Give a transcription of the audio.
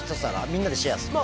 みんなでシェアするの？